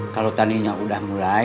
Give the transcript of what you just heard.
kalau taninya udah mulai